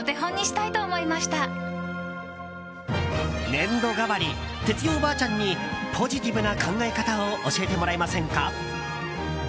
年度替わり哲代おばあちゃんにポジティブな考え方を教えてもらえませんか？